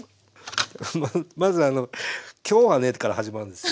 まず「今日はね」から始まるんですよ。